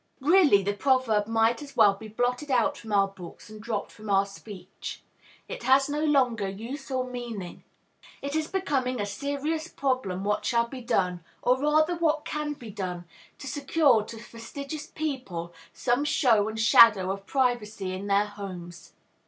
Really, the proverb might as well be blotted out from our books and dropped from our speech. It has no longer use or meaning. It is becoming a serious question what shall be done, or rather what can be done, to secure to fastidious people some show and shadow of privacy in their homes.